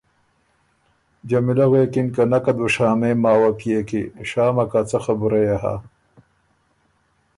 جمیلۀ غوېکِن که ”نکت بُو شامېم ماوه پئے کی شامه کۀ څۀ خبُره يې هۀ“